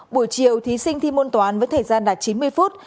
buổi chiều thí sinh thi môn toán với thời gian đạt chín mươi phút